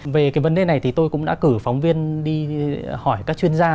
về cái vấn đề này thì tôi cũng đã cử phóng viên đi hỏi các chuyên gia